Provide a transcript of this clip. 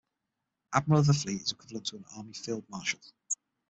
Admiral of the fleet is equivalent to an army field marshal.